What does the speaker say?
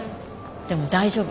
でも大丈夫。